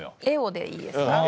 絵をでいいですか？